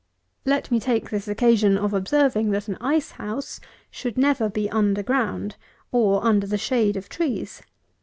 Let me take this occasion of observing, that an ice house should never be under ground, or under the shade of trees.